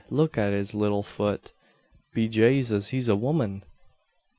Luk at his little fut! Be Jaysus, he's a woman!"